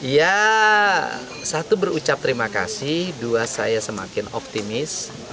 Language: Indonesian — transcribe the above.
ya satu berucap terima kasih dua saya semakin optimis